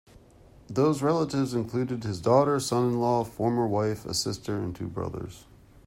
Those relatives included his daughter, son-in-law, former wife, a sister and two brothers.